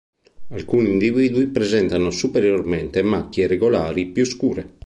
Alcuni individui presentano superiormente macchie irregolari più scure.